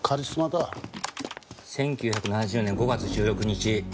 １９７０年５月１６日。